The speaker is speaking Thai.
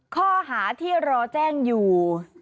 ข้อหาที่รอแจ้งอยู่